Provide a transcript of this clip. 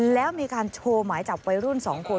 แล้วมีการโชว์หมายจากไปรุ่นสองคน